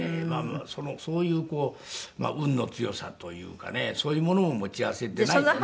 そういう運の強さというかねそういうものを持ち合わせていないとね。